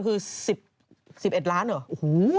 คือ๑๑ล้านเหรอโอ้โฮ